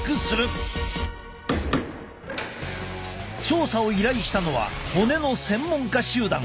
調査を依頼したのは骨の専門家集団。